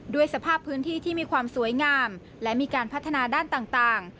สภาพพื้นที่ที่มีความสวยงามและมีการพัฒนาด้านต่าง